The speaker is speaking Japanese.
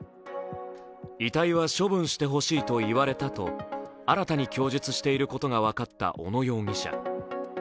遺体は処分してほしいと言われたと新たに供述していることが分かった小野容疑者。